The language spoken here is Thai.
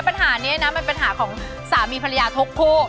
ปัญหานี้นะมันปัญหาของสามีภรรยาทุกคู่